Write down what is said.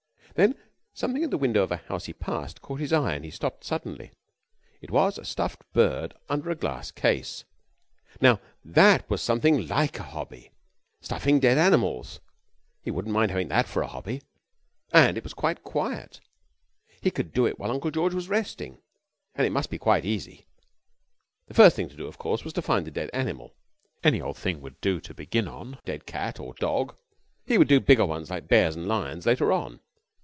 Then something in the window of a house he passed caught his eye and he stopped suddenly. It was a stuffed bird under a glass case. Now that was something like a hobby, stuffing dead animals! He wouldn't mind having that for a hobby. And it was quite quiet. He could do it while Uncle George was resting. And it must be quite easy. The first thing to do of course was to find a dead animal. Any old thing would do to begin on. A dead cat or dog. He would do bigger ones like bears and lions later on.